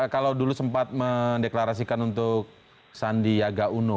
kalau dulu sempat mendeklarasikan untuk sandi yaga uno